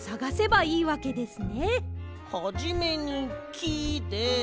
はじめに「き」で。